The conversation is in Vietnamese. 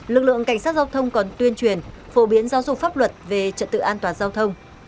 lực lượng cảnh sát giao thông còn tuyên truyền phổ biến giáo dục pháp luật về trật tự an toàn giao thông